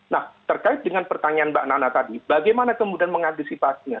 nah terkait dengan pertanyaan mbak nana tadi bagaimana kemudian mengantisipasinya